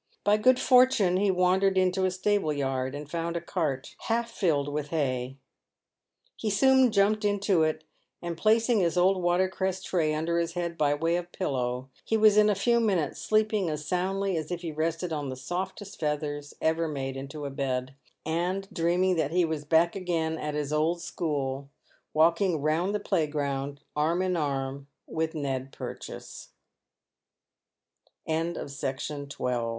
By good fortune he wandered into a stable yard, and found a cart half filled with hay. He soon jumped into it, and placing his old water cress tray under his head by way of pillow, he was in a few minutes sleeping as soundly as if he rested on the softest feathers ever made into a bed, and dreaming that he was back again at his old school, walking round the playground arm in arm with JSTed Purchase. CHAPTEE III. CATEN W